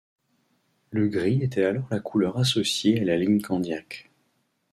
Le gris était alors la couleur associée à la ligne Candiac.